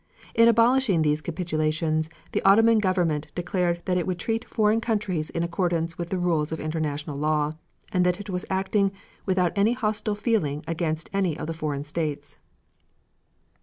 In abolishing these capitulations the Ottoman Government declared that it would treat foreign countries in accordance with the rules of international law, and that it was acting without any hostile feeling against any of the foreign states.